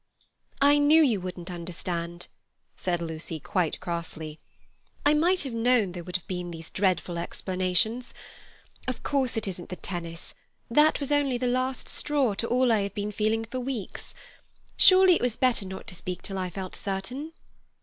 "I knew you wouldn't understand," said Lucy quite crossly. "I might have known there would have been these dreadful explanations. Of course, it isn't the tennis—that was only the last straw to all I have been feeling for weeks. Surely it was better not to speak until I felt certain."